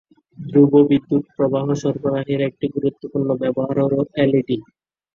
ধ্রুব বিদ্যুৎ প্রবাহ সরবরাহের একটি গুরুত্বপূর্ণ ব্যবহার হলো এলইডি।